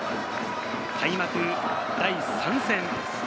開幕第３戦。